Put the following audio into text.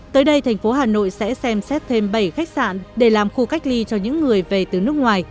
tới đây thành phố hà nội sẽ xem xét thêm bảy khách sạn để làm khu cách ly cho những người về từ nước ngoài